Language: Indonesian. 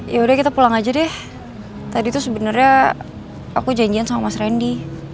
yaudah kita pulang aja deh tadi tuh sebenarnya aku janjian sama mas randy